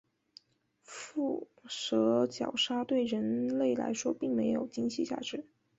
腹蛇角鲨对人类来说并没有经济价值。